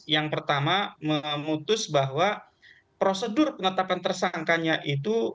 yang pertama memutus bahwa prosedur penetapan tersangkanya itu